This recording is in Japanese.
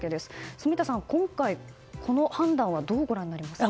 住田さん、今回、この判断はどうご覧になりますか？